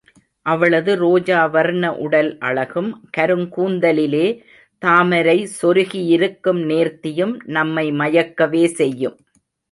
அவளது ரோஜா வர்ண உடல் அழகும், கருங் கூந்தலிலே தாமரை சொருகியிருக்கும் நேர்த்தியும் நம்மை மயக்கவே செய்யும்.